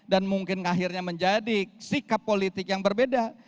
dan mungkin akhirnya menjadi sikap politik yang berbeda